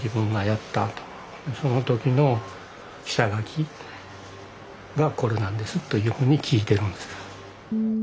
その時の下書きがこれなんですというふうに聞いてるんです。